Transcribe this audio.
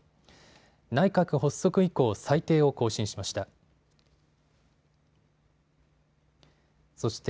内閣発足以降最低を更新しました。